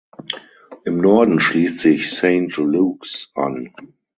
Im Norden schließt sich Saint Lukes an.